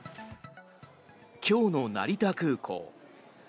今日の成田空港。